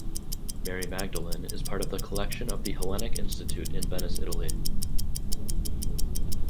Mary Magdalene is part of the collection of the Hellenic Institute in Venice Italy.